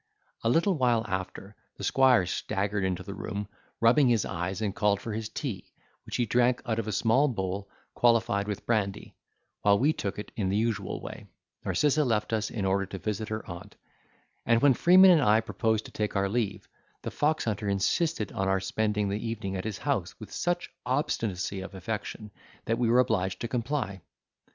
A little while after, the squire staggered into the room, rubbing his eyes, and called for his tea, which he drank out of a small bowl, qualified with brandy; while we took it in the usual way, Narcissa left us in order to visit her aunt; and when Freeman and I proposed to take our leave, the foxhunter insisted on our spending the evening at his house with such obstinacy of affection, that we were obliged to comply.